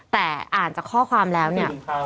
แต่อ่านจากข้อความแล้วเนี่ย